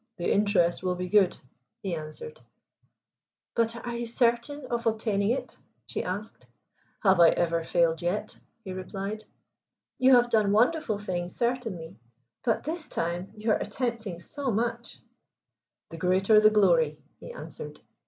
"The interest will be good," he answered. "But are you certain of obtaining it?" she asked. "Have I ever failed yet?" he replied. "You have done wonderful things, certainly. But this time you are attempting so much." "The greater the glory!" he answered.